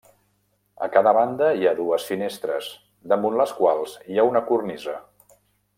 A cada banda hi ha dues finestres, damunt les quals hi ha una cornisa.